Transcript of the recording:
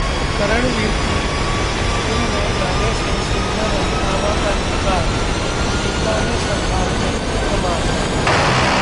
करणवीर की फिल्म में गाने से सिंगर रंधावा का इंकार, मीका ने संभाली कमान